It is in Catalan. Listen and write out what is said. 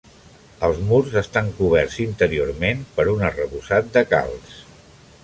Els murs estan coberts, interiorment, per un arrebossat de calç.